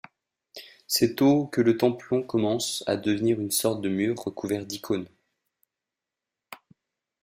C’est au que le templon commence à devenir une sorte de mur recouvert d’icônes.